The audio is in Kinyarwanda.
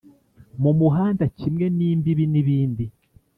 mu muhanda kimwe n'imbibi n'ibindi